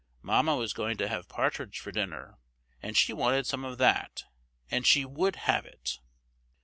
Mamma was going to have partridge for dinner, and she wanted some of that, and she would have it.